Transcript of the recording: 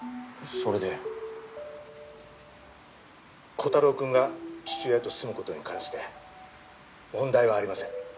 コタローくんが父親と住む事に関して問題はありません。